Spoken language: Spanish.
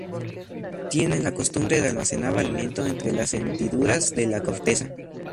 Tienen la costumbre de almacenar alimento entre las hendiduras de la corteza.